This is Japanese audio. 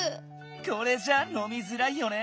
これじゃあのみづらいよね。